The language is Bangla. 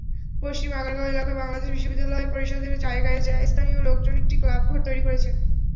পশ্চিম আগারগাঁও এলাকায় বাংলাদেশ বিশ্ববিদ্যালয় পরিষদের জায়গায় স্থানীয় লোকজন একটি ক্লাবঘর তৈরি করেছেন।